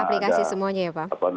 aplikasi semuanya ya pak